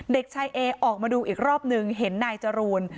เด็กชายเอออกมาดูอีกรอบนึงเห็นนายจรูน